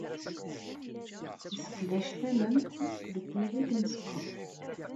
Yesseqdac tamemt deg yideg n uskeṛ.